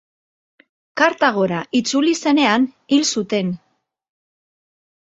Kartagora itzuli zenean hil zuten.